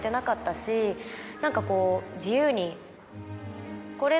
何かこう自由に。